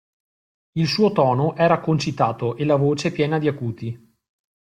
Il suo tono era concitato e la voce piena di acuti.